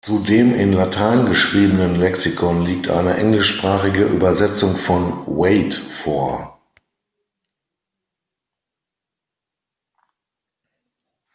Zu dem in Latein geschriebenen Lexikon liegt eine englischsprachige Übersetzung von Waite vor.